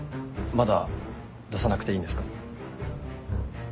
まだ出さなくていいんですか？